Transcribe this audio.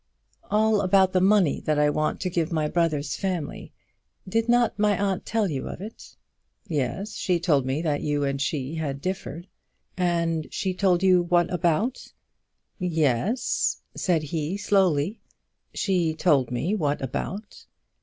"About the money that I want to give to my brother's family. Did not my aunt tell you of it?" "Yes; she told me that you and she had differed." "And she told you what about?" "Yes," said he, slowly; "she told me what about."